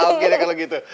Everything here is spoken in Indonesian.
oke kalau gitu